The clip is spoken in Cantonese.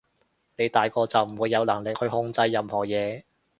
你大個就唔會有能力去控制任何嘢